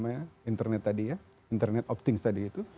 internet thing apa namanya internet tadi ya internet of things tadi itu